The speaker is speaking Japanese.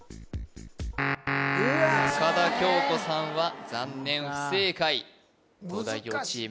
深田恭子さんは残念不正解東大王チーム